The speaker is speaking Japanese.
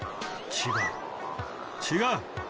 違う違う」